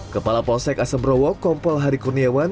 kepala polsek asembrowo kompol hari kurniawan